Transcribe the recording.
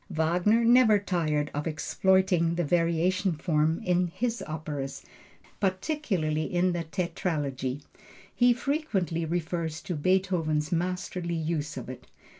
Wagner never tired of exploiting the variation form in his operas, particularly in the Tetralogy. He frequently refers to Beethoven's masterly use of it.